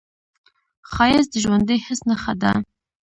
ښایست د ژوندي حس نښه ده